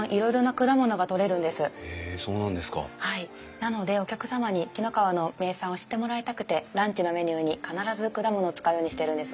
なのでお客様に紀の川の名産を知ってもらいたくてランチのメニューに必ず果物を使うようにしてるんです。